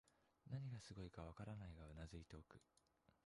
何がすごいかわからないが頷いておく